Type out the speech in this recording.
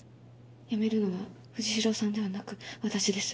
辞めるのも藤代さんではなく私です。